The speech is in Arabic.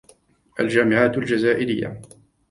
الجامعات الجزائرية